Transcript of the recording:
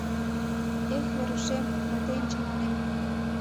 Эх, Верушем, мый тыйым чаманем!